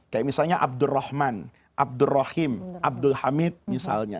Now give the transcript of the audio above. kayak misalnya abdurrahman abdurrahim abdul hamid misalnya